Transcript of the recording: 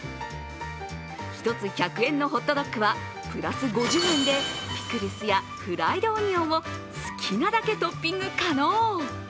１つ１００円のホットドッグはプラス５０円でピクルスやフライドオニオンを好きなだけトッピング可能。